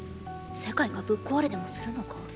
世界がぶっ壊れでもするのか？